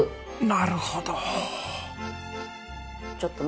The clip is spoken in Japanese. なるほど。